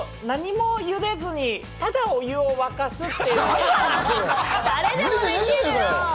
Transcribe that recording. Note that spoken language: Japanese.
何もゆでずにただお湯を沸かす。